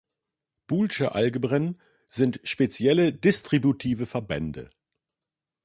Boolesche Algebren sind spezielle distributive Verbände.